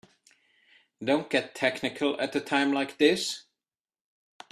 Don't get technical at a time like this.